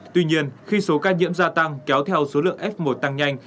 tuy nhiên khi số ca nhiễm gia tăng kéo theo số lượng f một tăng nhanh